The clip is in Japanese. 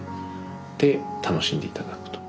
で楽しんで頂くと。